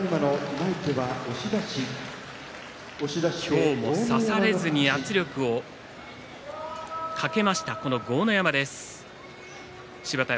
今日も差されずに圧力をかけました豪ノ山です。